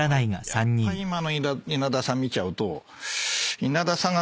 やっぱ今の稲田さん見ちゃうと。